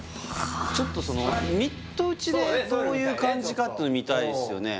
ちょっとそのミット打ちでどういう感じかっていうの見たいっすよね